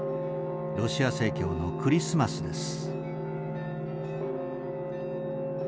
ロシア正教のクリスマスです。